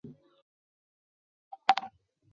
噶玛兰周刊为宜兰培养了多位人才。